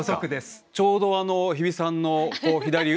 ちょうど日比さんの左後ろに。